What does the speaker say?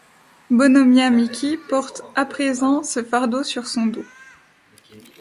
Bonomiya Miki porte à présent ce fardeau sur son dos.